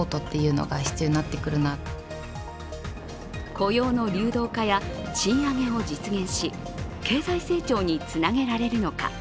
雇用の流動化や賃上げを実現し、経済成長につなげられるのか。